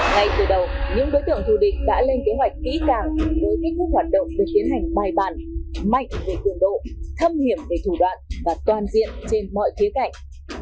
ngay từ đầu những đối tượng thù địch đã lên kế hoạch kỹ càng với kết thúc hoạt động được tiến hành bài bàn mạnh về cường độ thâm hiểm về thủ đoạn và toàn diện trên mọi khía cạnh